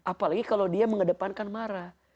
apalagi kalau dia mengedepankan marah